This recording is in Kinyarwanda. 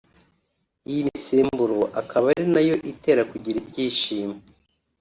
iyi misemburo akaba ari nayo itera kugira ibyishimo